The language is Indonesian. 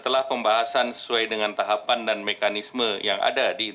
termasuk komunikasi dengan tokoh tokoh yang berpengalaman